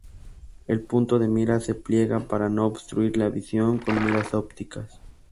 El punto de mira se pliega para no obstruir la visión con miras ópticas.